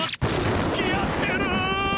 つきあってる。